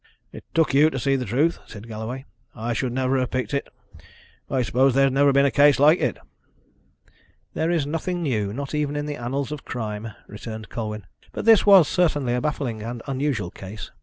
"It took you to see the truth," said Galloway. "I should never have picked it. I suppose there has never been a case like it." "There is nothing new not even in the annals of crime," returned Colwyn. "But this was certainly a baffling and unusual case.